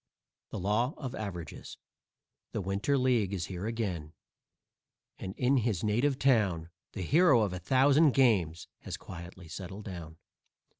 THE LAW OF AVERAGES _The Winter League is here again, and in his native town The hero of a thousand games has quietly settled down.